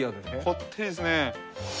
こってりですね。